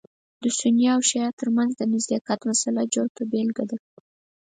د سني او شعیه تر منځ د نزدېکت مسأله جوته بېلګه ده.